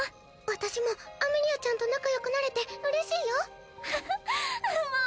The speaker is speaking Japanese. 私もアメリアちゃんと仲よくなれて嬉しいよああ